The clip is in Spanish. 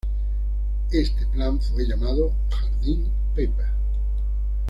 Este plan fue llamado Jardine Paper.